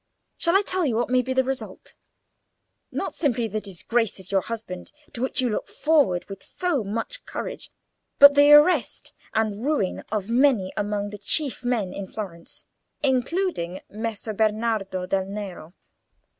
Shall I tell you what may be the result? Not simply the disgrace of your husband, to which you look forward with so much courage, but the arrest and ruin of many among the chief men in Florence, including Messer Bernardo del Nero."